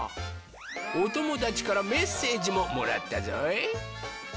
おともだちからメッセージももらったぞい。